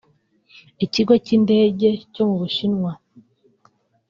Ikigo cy’Indege cyo mu Bushinwa